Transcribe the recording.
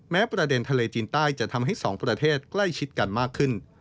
ประเด็นทะเลจีนใต้จะทำให้สองประเทศใกล้ชิดกันมากขึ้น